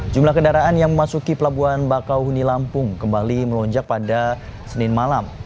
jumlah kendaraan yang memasuki pelabuhan bakau huni lampung kembali melonjak pada senin malam